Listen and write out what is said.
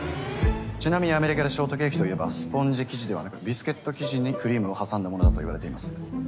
ちなみにアメリカでショートケーキといえばスポンジ生地ではなくビスケット生地にクリームを挟んだものだといわれています。